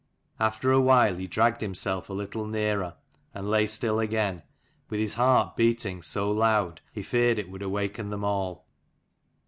After a while he dragged himself a little nearer : and lay still again, with his heart beating so loud, he feared it would awaken them all.